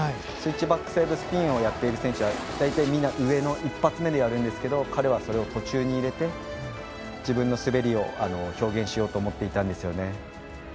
スイッチバックサイドスピンをやっている選手は大体、みんな１発目でやりますが彼はそれを途中に入れて自分の滑りを表現しようと思っていたんですよね。